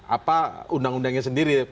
apa undang undangnya sendiri